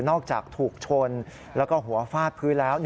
อกจากถูกชนแล้วก็หัวฟาดพื้นแล้ว